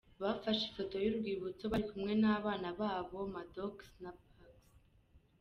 Bafashe ifoto y'urwibutso bari kumwe n'abana babo Maddox na Pax .